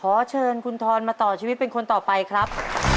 ขอเชิญคุณทรมาต่อชีวิตเป็นคนต่อไปครับ